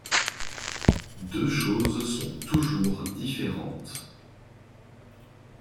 Deux choses sont toujours différentes.